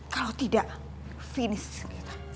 kalau tidak finish